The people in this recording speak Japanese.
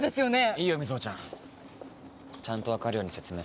⁉いいよ瑞穂ちゃんちゃんと分かるように説明する。